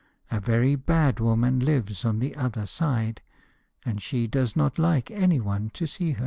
A very bad woman lives on the other side, and she does not like anyone to see her.'